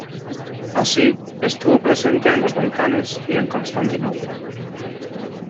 Así, estuvo presente en los Balcanes y en Constantinopla.